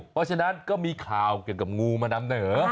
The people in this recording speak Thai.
เพราะฉะนั้นก็มีข่าวเกี่ยวกับงูมานำเหนอ